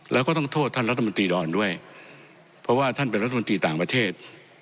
แล้วก็ต้องโทษท่านรัฐมนตรีดอนด้วยเพราะว่าท่านเป็นรัฐมนตรีต่างประเทศ